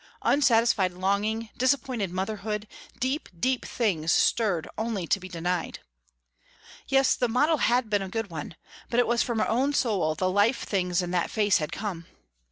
Unsatisfied longing, disappointed motherhood, deep, deep things stirred only to be denied! Yes, the model had been a good one, but it was from her own soul the life things in that face had come.